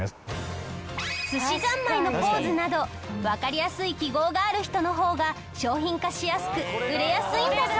すしざんまいのポーズなどわかりやすい記号がある人の方が商品化しやすく売れやすいんだそう。